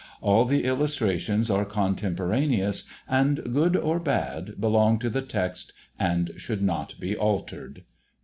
All the illustrations are contemporaneous, and, good or bad, belong to the text and should not be altered.